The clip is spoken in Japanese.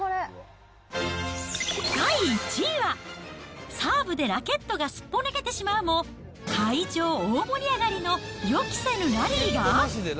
第１位は、サーブでラケットがすっぽ抜けてしまうも会場大盛り上がりの予期せぬラリーが。